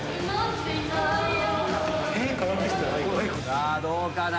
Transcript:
さあどうかな？